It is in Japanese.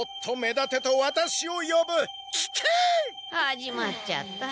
始まっちゃった。